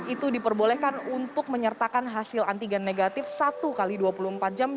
itu diperbolehkan untuk menyertakan hasil antigen negatif satu x dua puluh empat jam